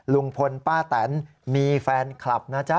ลุงพลป้าแตนมีแฟนคลับนะจ๊ะ